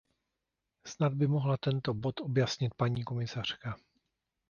Snad by mohla tento bod objasnit paní komisařka.